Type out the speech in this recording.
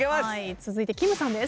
続いてきむさんです。